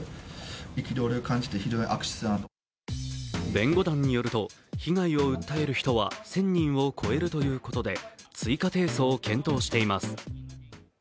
弁護団によると被害を訴える人は１０００人を超えるということで追加提訴を検討しています。